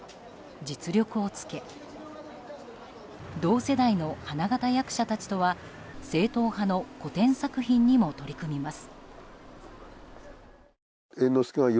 実力をつけ同世代の花形役者たちとは正統派の古典作品にも取り組みます。